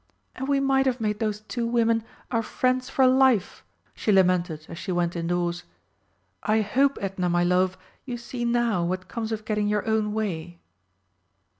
"And we might have made those two women our friends for life!" she lamented, as she went indoors. "I hope, Edna, my love, you see now what comes of getting your own way?"